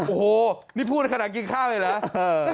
โอ้โหนี่พูดในขณะกินข้าวเลยเหรอ